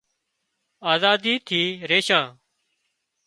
آزادي ٿي ريشان